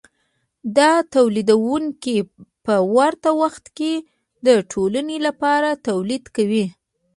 دا تولیدونکي په ورته وخت کې د ټولنې لپاره تولید کوي